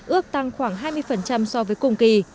ước tăng khoảng hai mươi so với cùng kỳ